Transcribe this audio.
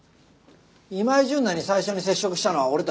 今井純奈に最初に接触したのは俺たちだ。